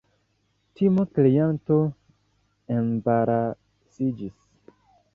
Timokreanto embarasiĝis.